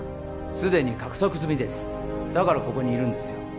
すでに獲得済みですだからここにいるんですよ